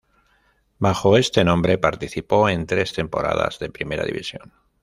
Bajo este nombre participó en tres temporadas de primera división.